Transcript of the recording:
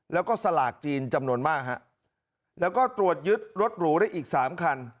แล้วก็สลากจีนจำนวนมากฮะแล้วก็ตรวจยึดรถหรูได้อีกสามคัน